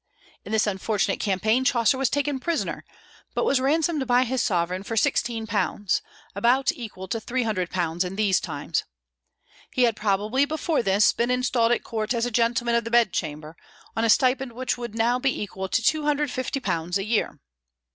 In this unfortunate campaign Chaucer was taken prisoner, but was ransomed by his sovereign for £16, about equal to £300 in these times. He had probably before this been installed at court as a gentleman of the bedchamber, on a stipend which would now be equal to £250 a year.